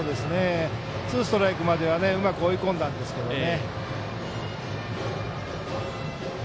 ツーストライクまではうまく追い込んだんですけどね。